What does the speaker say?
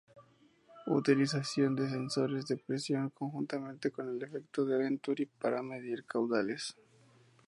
Utilización de sensores de presión conjuntamente con el efecto Venturi para medir caudales.